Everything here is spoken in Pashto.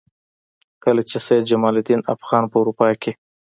کله چې سید جمال الدین افغاني په اروپا کې.